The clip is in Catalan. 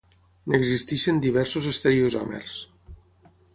N'existeixen diversos estereoisòmers.